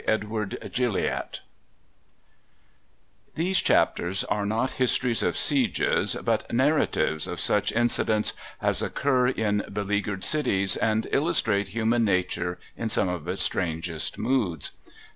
LIMITED 1908 PREFACE These chapters are not histories of sieges, but narratives of such incidents as occur in beleaguered cities, and illustrate human nature in some of its strangest moods.